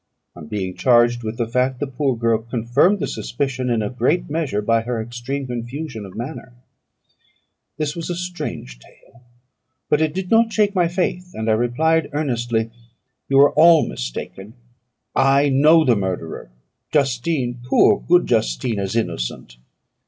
On being charged with the fact, the poor girl confirmed the suspicion in a great measure by her extreme confusion of manner. This was a strange tale, but it did not shake my faith; and I replied earnestly, "You are all mistaken; I know the murderer. Justine, poor, good Justine, is innocent."